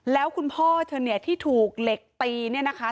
แล้วคุณพ่อเธอเนี่ยที่ถูกเหล็กตีเนี่ยนะคะ